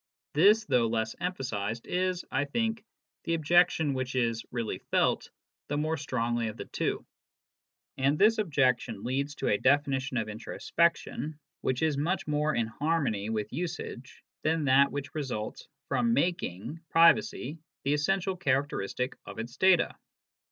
This, though less emphasised, is, I think, the objection which is re.ally felt the more strongly of the two. And this objection leads to a definition of introspection which is much more in harmony with usage than that which results from making HOW PKOPOSITIONS MEAN. 13 privacy the essential characteristic of its data.